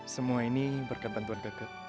semua ini berkat bantuan gagak